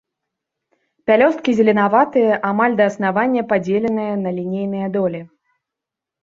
Пялёсткі зеленаватыя, амаль да аснавання падзеленыя на лінейныя долі.